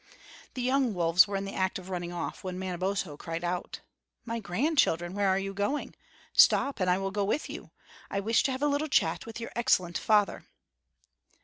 The young wolves were in the act of running off, when Manabozho cried out: "My grandchildren, where are you going? Stop and I will go with you. I wish to have a little chat with your excellent father."